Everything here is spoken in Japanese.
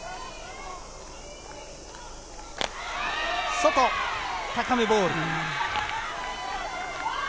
外、高めボール。